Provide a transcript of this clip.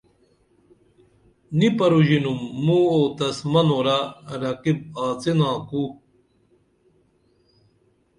نی پروژینُم موں او تس منورہ رقیب آڅِنا کُو